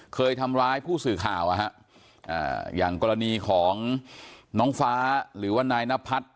เคยทำร้ายผู้สื่อข่าวอย่างกรณีของน้องฟ้าหรือว่านายนพัฒน์